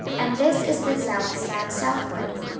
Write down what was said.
And this is the south side southward.